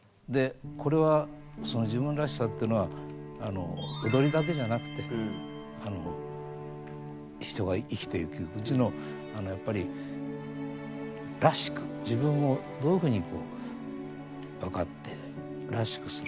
これは自分らしさってのは踊りだけじゃなくて人が生きていくうちのやっぱり「らしく」自分をどういうふうに分かって「らしく」する。